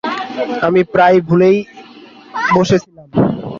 আমি প্রায় ভুলেই বসেছিলাম।